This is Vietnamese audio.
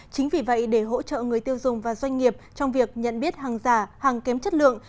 chính vì vậy để hỗ trợ người tiêu dùng và doanh nghiệp trong việc nhận biết hàng giả hàng kém chất lượng